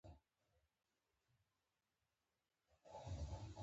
د موټروان لپاره خوندیتوب کمربند مهم دی.